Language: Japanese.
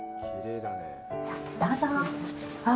どうぞ。